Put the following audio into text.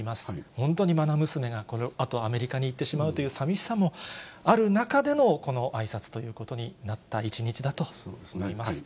本当にまな娘な、あとアメリカに行ってしまうというさみしさもある中でのこのあいさつということになった一日だと思います。